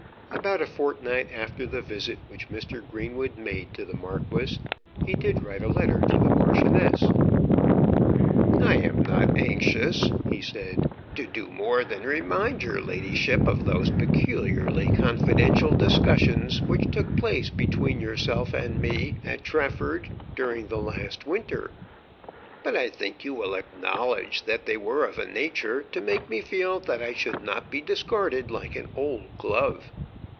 About a fortnight after the visit which Mr. Greenwood made to the Marquis he did write a letter to the Marchioness. "I am not anxious," he said, "to do more than remind your ladyship of those peculiarly confidential discussions which took place between yourself and me at Trafford during the last winter; but I think you will acknowledge that they were of a nature to make me feel that I should not be discarded like an old glove.